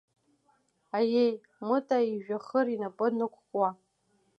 Аиеи, Мыта ижәҩахыр инапы нықәкуа.